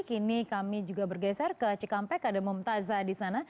kini kami juga bergeser ke cikampek ada mumtazah di sana